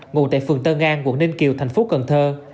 ngụ tại phường tân an quận ninh kiều thành phố cần thơ